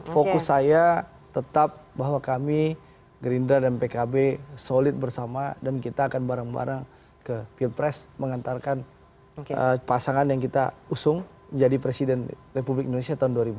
fokus saya tetap bahwa kami gerindra dan pkb solid bersama dan kita akan bareng bareng ke pilpres mengantarkan pasangan yang kita usung jadi presiden republik indonesia tahun dua ribu dua puluh